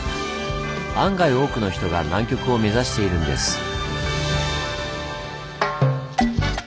案外多くの人が南極を目指しているんです。